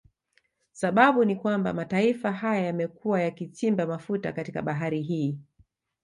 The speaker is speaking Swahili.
Sababau ni kwamba mataifa haya yamekuwa yakichimba mafuta katika bahari hii